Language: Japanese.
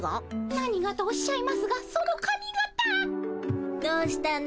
「なにが？」とおっしゃいますがそのかみ形。どうしたの？